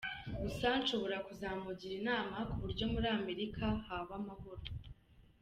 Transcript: Gusa nshobora kuzamugira inama ku buryo muri Amerika haba amahoro.